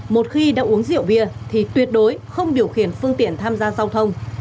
một khi đã uống rượu bia thì tuyệt đối không điều khiển phương tiện tham gia giao thông